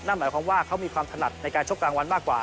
หมายความว่าเขามีความถนัดในการชกกลางวันมากกว่า